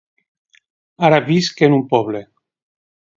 Ara visc en un poble.